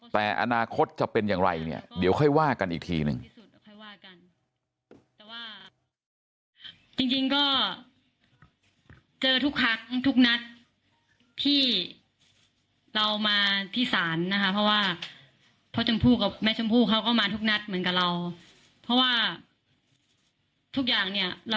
แต่อนาคตจะเป็นอย่างไรเนี่ยเดี๋ยวค่อยว่ากันอีกทีหนึ่ง